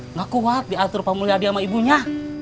nggak kuat diatur pak mulyadi sama ibunya